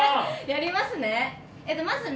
やりますね。